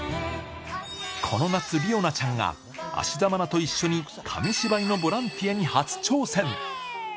この夏、理央奈ちゃんが、芦田愛菜と一緒に紙芝居のボランティアに初挑戦。